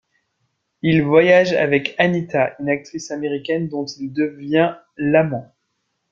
Il voyage avec Anita, une actrice américaine dont il devient l'amant.